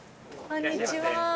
こんにちは。